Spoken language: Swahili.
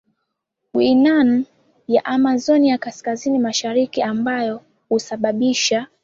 Guiana ya Amazonia kaskazini mashariki ambayo husababisha